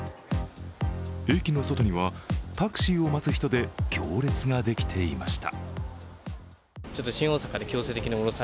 駅の外にはタクシーを待つ人で行列ができていました。